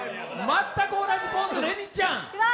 全く同じポーズのれにちゃん。